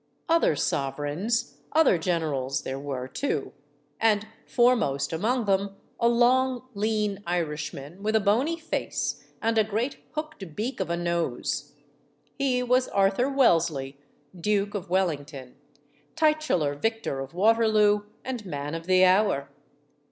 Other sovereigns, other generals, there were, too. And, foremost among them, a long, lean Irishman, with a bony face and a great hooked beak of a nose. He was Arthur Wellesley, Duke of Wellington, titular Vic tor of Waterloo and Man of the Hour.